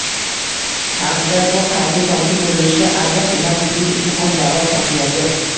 hamda bu qaysi tomchi bo‘lishi aniq emas: shuning uchun ham, davlat hokimiyati